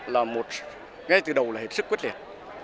là một ngay từ đầu là hết sức quyết liệt